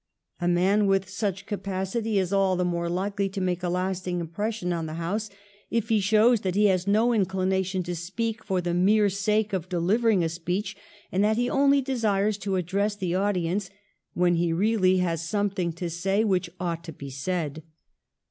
A man with such capacity is all the more likely to make a lasting im pression on the House if he shows that he has no incUnation to speak for the mere sake of delivering a speech, and that he only desires to address the audience when he really has something to say which ought to be said.